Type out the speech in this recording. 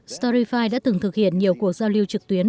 storifi đã từng thực hiện nhiều cuộc giao lưu trực tuyến